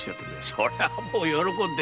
それはもう喜んで。